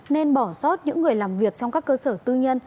nên bỏ sót những người làm việc trong các cơ sở tư nhân